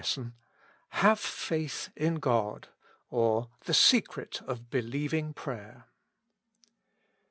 ESSON. ♦«Have faith in God;" or, The Secret of Be lieving Prayer.